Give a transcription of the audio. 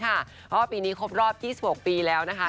เพราะว่าปีนี้ครบรอบ๒๖ปีแล้วนะคะ